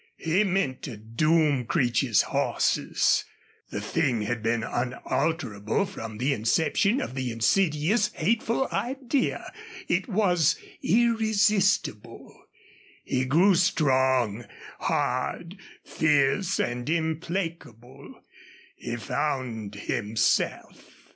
He meant to doom Creech's horses. The thing had been unalterable from the inception of the insidious, hateful idea. It was irresistible. He grew strong, hard, fierce, and implacable. He found himself.